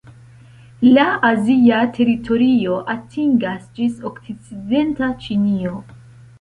La azia teritorio atingas ĝis okcidenta Ĉinio.